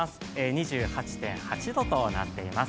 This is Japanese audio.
２８．８度となっています。